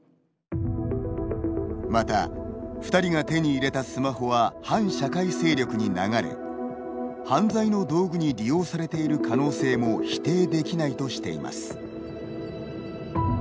また２人が手に入れたスマホは反社会勢力に流れ犯罪の道具に利用されている可能性も否定できないとしています。